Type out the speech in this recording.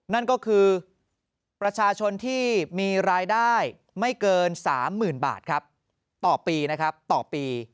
นั่นก็คือประชาชนที่มีรายได้ไม่เกิน๓๐๐๐บาทครับต่อปีนะครับต่อปี